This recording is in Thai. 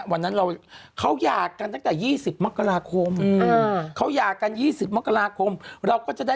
คนรวยเท่าไหร่ก็หมด